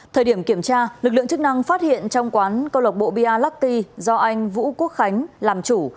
thời điểm kiểm tra lực lượng chức năng phát hiện trong quán cơ lộc bộ bialatti do anh vũ quốc khánh làm chủ